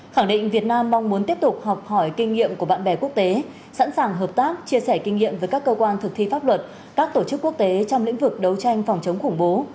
khẳng định việt nam mong muốn tiếp tục học hỏi kinh nghiệm của bạn bè quốc tế sẵn sàng hợp tác chia sẻ kinh nghiệm với các cơ quan thực thi pháp luật các tổ chức quốc tế trong lĩnh vực đấu tranh phòng chống khủng bố